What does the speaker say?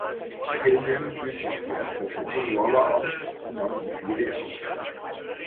Heyman rief noch während dieser Sendung Lawler an und nahm die Fehde auf.